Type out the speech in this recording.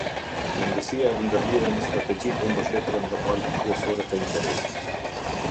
Rëndësia dhe ndërlidhja me strategjitë e mbështetura nga palët kryesore të interesit.